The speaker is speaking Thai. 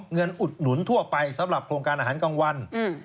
อุดหนุนทั่วไปสำหรับโครงการอาหารกลางวัน